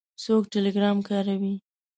څوک ټیلیګرام کاروي؟